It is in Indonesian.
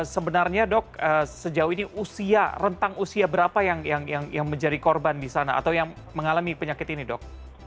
sebenarnya dok sejauh ini usia rentang usia berapa yang menjadi korban di sana atau yang mengalami penyakit ini dok